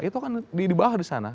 itu kan dibahas di sana